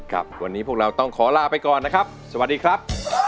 ครับวันนี้พวกเราต้องขอลาไปก่อนนะครับสวัสดีครับ